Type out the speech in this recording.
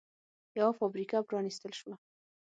یوه فابریکه پرانېستل شوه